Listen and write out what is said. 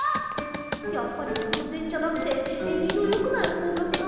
やっぱりぐうぜんじゃなくてえんぎのよくない方角なんだ。